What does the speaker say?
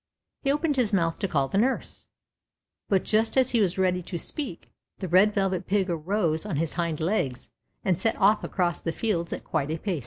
He opened his mouth to call nurse. THE RED VELVET PIG. 285 but just as he was ready to speak the Red Velvet Pig arose on his hind legs and set off across the fields at quite a joace.